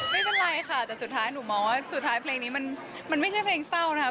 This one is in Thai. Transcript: ไม่เป็นไรค่ะแต่สุดท้ายหนูมองว่าสุดท้ายเพลงนี้มันไม่ใช่เพลงเศร้านะครับ